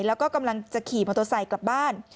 แล้วก็กำลังจะขี่บทศัยกลับบ้าน